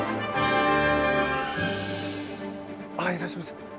あっいらっしゃいました。